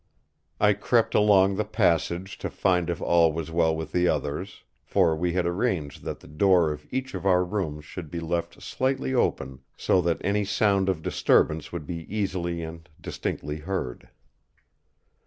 I crept along the passage to find if all was well with the others; for we had arranged that the door of each of our rooms should be left slightly open so that any sound of disturbance would be easily and distinctly heard.